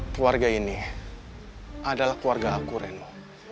keluarga ini adalah keluarga aku reno